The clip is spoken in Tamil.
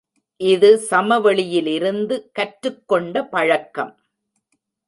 இது சமவெளியிலிருந்து கற்றுக் கொண்ட பழக்கம்.